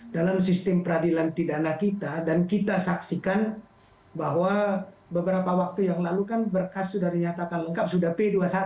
dalam sistem peradilan pidana kita dan kita saksikan bahwa beberapa waktu yang lalu kan berkas sudah dinyatakan lengkap sudah p dua puluh satu